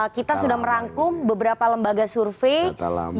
kita sudah merangkum beberapa lembaga survei